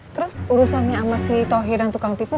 terus urusannya sama si tohir dan tukang tipu